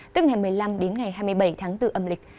tức ngày một mươi năm đến ngày hai mươi bảy tháng bốn âm lịch